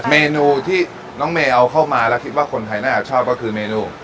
เมนูที่น้องเมย์เอาเข้ามาแล้วคิดว่าคนไทยน่าจะชอบก็คือเมนู